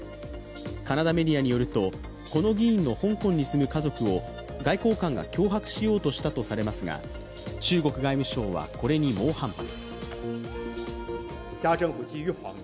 カナダメディアによると、この議員の香港に住む家族を外交官が脅迫しようとしたとされますが中国外務省は、これに猛反発。